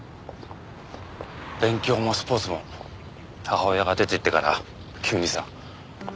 勉強もスポーツも母親が出て行ってから急にさ。